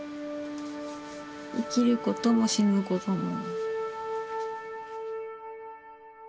生きることも死ぬことも。